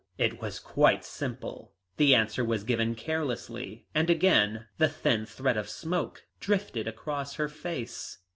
It was quite simple." The answer was given carelessly, and again the thin thread of smoke drifted across her face.